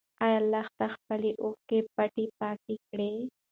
ايا لښتې خپلې اوښکې په پټه پاکې کړې؟